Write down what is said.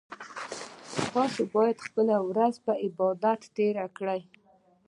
تاسو باید خپلې ورځې په عبادت تیرې کړئ